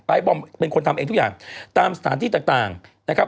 บอมเป็นคนทำเองทุกอย่างตามสถานที่ต่างนะครับ